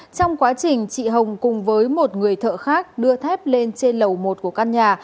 trong quá trình chị hồng cùng với một người thợ khác đưa thép lên trên lầu một của căn nhà